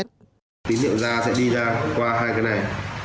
tín hiệu ra sẽ đi ra qua hai cái này